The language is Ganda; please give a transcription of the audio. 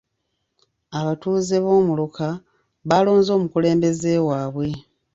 Abatuuze b'omuluka baalonze omukulembeze waabwe.